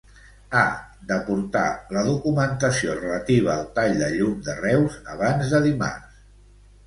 Ha d'aportar la documentació relativa al tall de llum de Reus abans de dimarts.